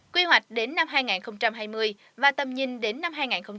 quy hoạch đến năm hai nghìn hai mươi và tầm nhìn đến năm hai nghìn ba mươi